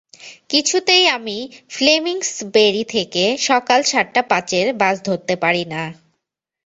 কিছুতেই আমি ফ্লেমিংসবেরি থেকে সকাল সাতটা পাঁচের বাসটা ধরতে পারি না।